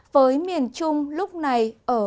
với miền trung lúc này ở